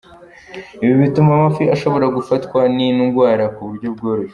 Ibi bituma amafi ashobora gufatwa n’indwara ku buryo bworoshye.